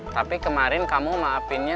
tapi kemarin kamu maafinnya